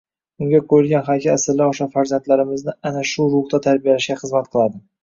Unga qo‘yilgan haykal asrlar osha farzandlarimizni ana shu ruhda tarbiyalashga xizmat qiladi